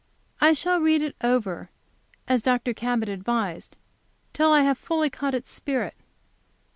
I shall read it over, as Dr. Cabot advised, till I have fully caught its spirit.